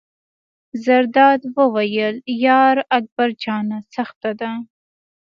زرداد وویل: یار اکبر جانه سخته ده.